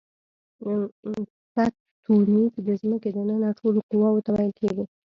تکتونیک د ځمکې دننه ټولو قواوو ته ویل کیږي.